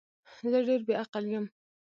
زه ډیر بی عقل یم